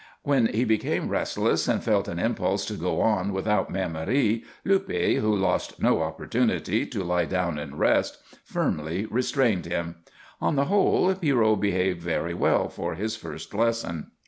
When he became restless and felt an impulse to go on without Mère Marie, Luppe, who lost no opportunity to lie down and rest, firmly restrained him. On the whole, Pierrot behaved very well for his first lesson.